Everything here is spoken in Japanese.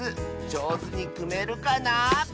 じょうずにくめるかな？